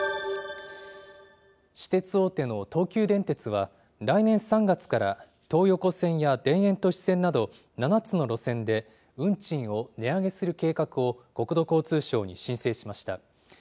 私鉄大手の東急電鉄は、来年３月から、東横線や田園都市線など、７つの路線で運賃を値上げする計画を、国土交通省に申請しました。